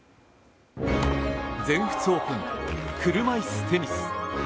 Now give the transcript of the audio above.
全仏オープン車いすテニス。